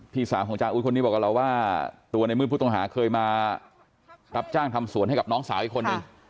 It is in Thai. พี่สาวของจาอุดคนนี้บอกกับเราว่าตัวในเมื่อผู้ต้องหาเคยมารับจ้างทำสวนให้กับน้องสาวอีกคนนึง